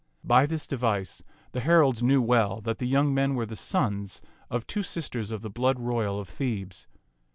By this device the heralds knew well that the young men were the sons of two sisters of the blood royal of Thebes.